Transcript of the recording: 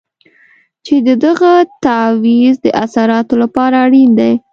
چې د دغه تعویض د اثراتو لپاره اړین دی.